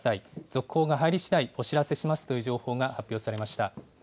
続報が入りしだいお知らせしますという情報が発表されました。